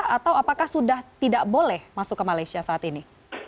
atau apakah sudah tidak boleh masuk ke malaysia saat ini